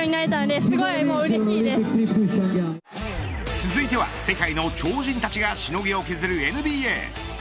続いては世界の超人たちがしのぎを削るＮＢＡ。